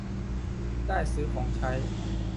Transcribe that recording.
ได้ซื้อของใช้